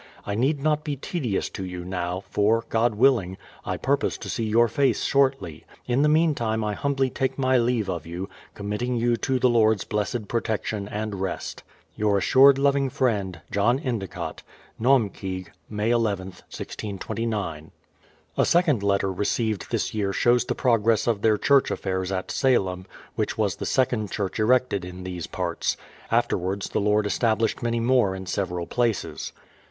I need not be tedious to you now, for, God willing, I purpose to see your face shortly. In the meantime I humbly take my leave of you, committing you to the Lord's blessed protection, and rest, Your assured loving friend, Naumkcag, May nth, 1629. JOHN ENDICOTT. A second letter received this year shows the progress of their church affairs at Salein, which was the second church erected in these parts. Afterwards the Lord estab lished many more in several places.